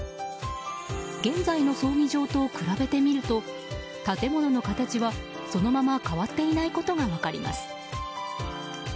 現在の葬儀場と比べてみると建物の形はそのまま変わっていないことが分かります。